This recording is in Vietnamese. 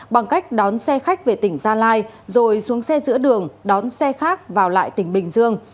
bằng cách đón xe khách về tỉnh gia lai rồi xuống xe giữa đường đón xe khác vào lại tỉnh bình dương